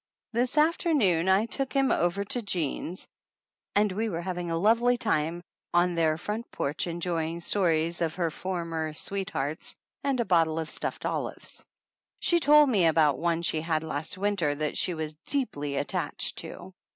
This afternoon I took him over to Jean's and we were having a lovely time out on their fronts porch, enjoying stories of her former sweet hearts and a bottle of stuffed olives. She told 186 THE ANNALS OF ANN me about one she had last winter that she was deeply attached to.